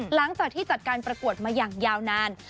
หลังจากที่จัดการประกวดมาอย่างยาวนาน